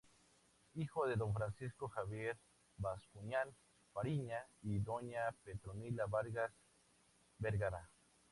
Hijo de don Francisco Javier Bascuñán Fariña y doña Petronila Vargas Vergara.